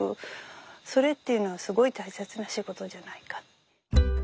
それっていうのはすごい大切な仕事じゃないかって。